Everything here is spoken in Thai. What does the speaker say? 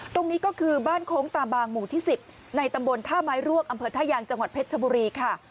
ตรงนี้ก็คือบ้านโค้งตาบางหมู่ที่๑๐ในตำบลท่าไม้รวกอำเภอท่ายางจังหวัดเพชรชบุรีค่ะ